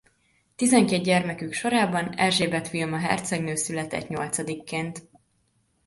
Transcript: Tizenkét gyermekük sorában Erzsébet Vilma hercegnő született nyolcadikként.